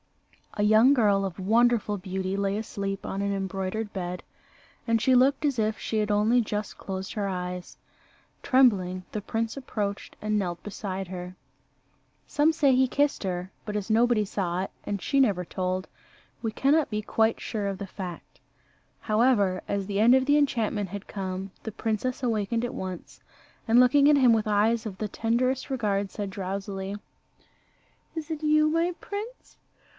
A young girl of wonderful beauty lay asleep on an embroidered bed, and she looked as if she had only just closed her eyes. Trembling, the prince approached and knelt beside her. Some say he kissed her, but as nobody saw it, and she never told, we cannot be quite sure of the fact. However, as the end of the enchantment had come, the princess awakened at once, and looking at him with eyes of the tenderest regard, said drowsily, "Is it you, my prince?